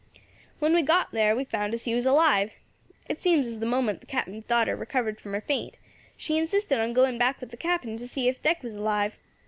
"When we got there we found as he was alive. It seems at the moment the Captain's daughter recovered from her faint she insisted on going back with the Captain to see if Dick was alive.